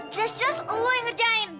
jelas jelas lo yang ngerjain